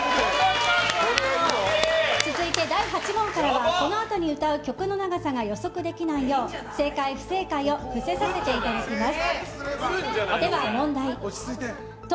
続いて、第８問からはこのあとに歌う曲の長さが予測できないよう正解・不正解を伏せさせていただきます。